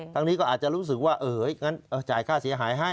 ทางนี้ก็อาจจะรู้สึกว่างั้นจ่ายค่าเสียหายให้